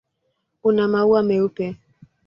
Una maua meupe.